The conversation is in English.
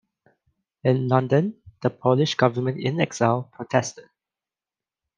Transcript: In London, the Polish government-in-exile protested.